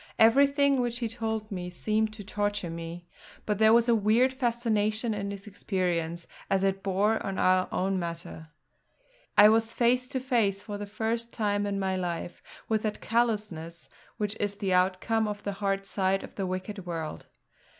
Everything which he told me seemed to torture me; but there was a weird fascination in his experience as it bore on our own matter. I was face to face, for the first time in my life, with that callousness which is the outcome of the hard side of the wicked world.